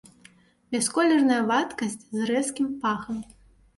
Бясколерная вадкасць з рэзкім пахам.